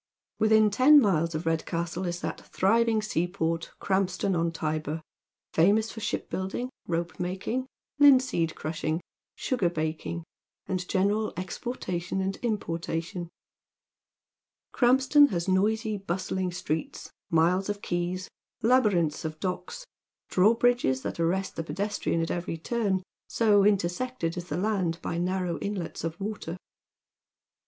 Within ten miles of Redcastle is that thriving seaport, Krampston on Tybur, famous for shipbuilding, ropemaking, linseed crushing, sugar baking, and general exportation and importation. Krampston has noisy, bustling streets, miles of quays, labyrinths of docks, drawbridges that aiTest the pedestrian at every turn, so intersected is the land by narrow inlets of water.